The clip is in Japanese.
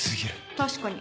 確かに。